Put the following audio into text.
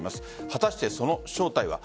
果たしてその正体は。